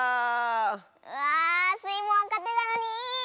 うわスイもわかってたのに！